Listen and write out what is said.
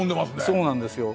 そうなんですよ。